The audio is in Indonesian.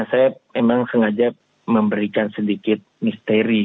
saya memang sengaja memberikan sedikit misteri